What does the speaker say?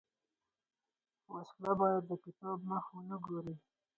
وسله باید د کتاب مخ ونه ګوري